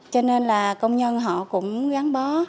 cho nên là công nhân họ cũng gắn bó